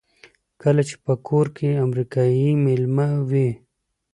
کله چې په کور کې امریکایی مېلمه وي.